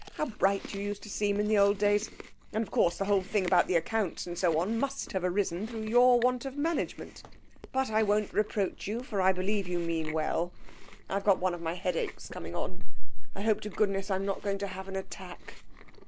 How bright you used to seem in the old days! And of course the whole thing about the accounts, and so on, must have arisen through your want of management. But I won't reproach you, for I believe you mean well.... I've got one of my headaches coming on; I hope to goodness I'm not going to have an attack.'